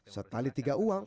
setahli tiga uang